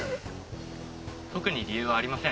特に理由はありません。